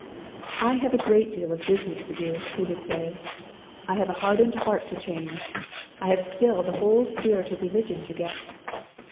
I have a great deal of business to do, he would say. I have a hardened heart to change; I have still the whole spirit of religion to get.